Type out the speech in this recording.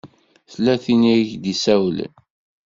Tella tin i ak-d-isawlen.